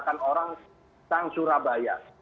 dicarakan orang yang surabaya